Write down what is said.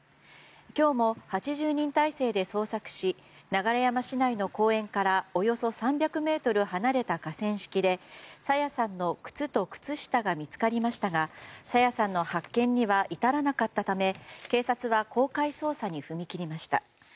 今日も８０人態勢で捜索し流山市内の公園からおよそ３００ｍ離れた河川敷で朝芽さんの靴と靴下が見つかりましたが朝芽さんの発見には至らなかったため警察は公開捜査に踏み切りました。